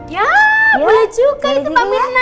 ya boleh juga itu panggilan